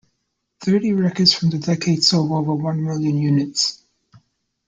Thirty records from the decade sold over one million units.